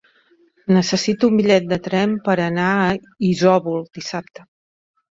Necessito un bitllet de tren per anar a Isòvol dissabte.